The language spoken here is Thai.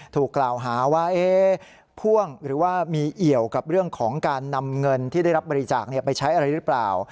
ถูกกล่าวหาว่าพ่วงหรือว่ามีเอี่ยวกับเรื่องของการนำเงินที่ได้รับบริจาคไปใช้อะไรหรือเปล่า